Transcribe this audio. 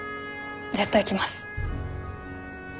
絶対来ます。